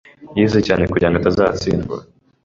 Yize cyane kugirango atazatsindwa.